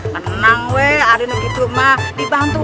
makanan weh ada yang gitu mah dibantu